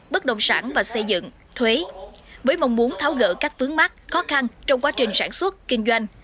bất đồng sản và xây dựng thuế với mong muốn tháo gỡ các vướng mắt khó khăn trong quá trình sản xuất kinh doanh